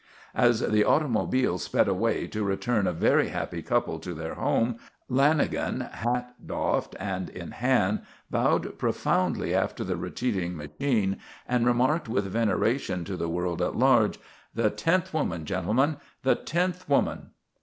As the automobile sped away to return a very happy couple to their home, Lanagan, hat doffed and in hand, bowed profoundly after the retreating machine, and remarked with veneration to the world at large: "The tenth woman, gentlemen, the tenth woman."